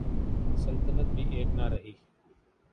سلطنت بھی ایک نہ رہی۔